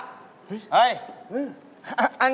ถ้าเป็นปากถ้าเป็นปาก